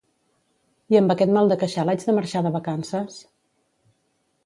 I amb aquest mal de queixal haig de marxar de vacances?